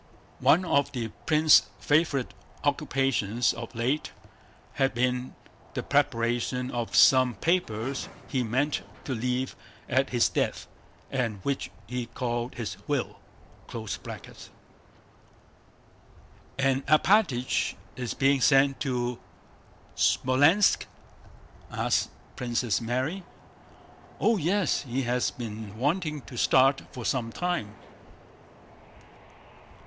(One of the prince's favorite occupations of late had been the preparation of some papers he meant to leave at his death and which he called his "will.") "And Alpátych is being sent to Smolénsk?" asked Princess Mary. "Oh, yes, he has been waiting to start for some time."